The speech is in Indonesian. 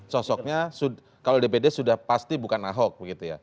sosoknya kalau dpd sudah pasti bukan ahok begitu ya